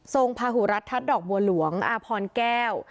พาหุรัฐทัศน์ดอกบัวหลวงอาพรแก้ว